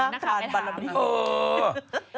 สร้างการบรรลับนี้เออ